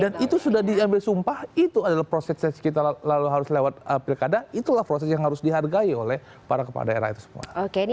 dan itu sudah diambil sumpah itu adalah proses kita lalu harus lewat perikada itulah proses yang harus dihargai oleh para kepala daerah itu semua